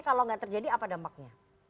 kalau nggak terjadi apa dampaknya